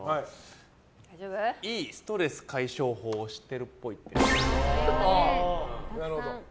いいストレス解消法を知ってるっぽい。